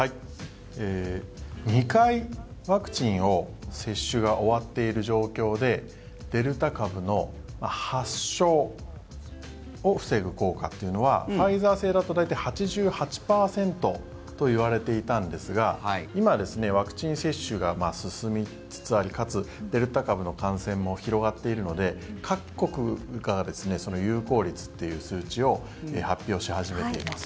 ２回ワクチンを接種が終わっている状況でデルタ株の発症を防ぐ効果というのはファイザー製だと大体８８％と言われていたんですが今、ワクチン接種が進みつつありかつ、デルタ株の感染も広がっているので各国が有効率という数値を発表し始めています。